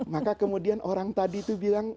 maka kemudian orang tadi itu bilang